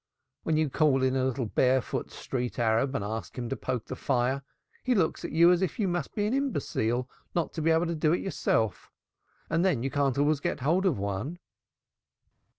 When you call in a little barefoot street Arab and ask him to poke the fire, he looks at you as if you must be an imbecile not to be able to do it yourself. And then you can't always get hold of one."